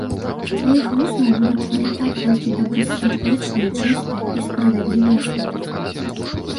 З тваіх вуснаў будуць вылятаць толькі добрасардэчныя, чыстыя і справядлівыя словы.